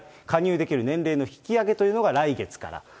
加入できる年齢の引き上げというのが来月から。